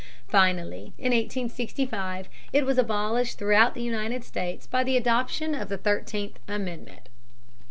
Finally, in 1865, it was abolished throughout the United States by the adoption of the Thirteenth Amendment (p.